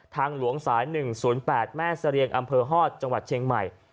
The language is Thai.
ทางหลวงสาย๑๐๘แม่เสรียงอำเภอฮอตจังหวัดเชียงใหม่